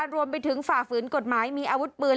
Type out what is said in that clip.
รวมไปถึงฝากฝืนกฎหมายมีอาวุธปืน